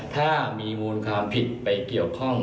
ถ้ามีมูลความผิดไปเกี่ยวข้อง